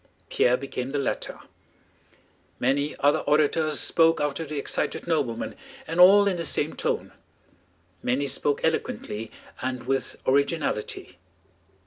Pierre became the latter. Many other orators spoke after the excited nobleman, and all in the same tone. Many spoke eloquently and with originality.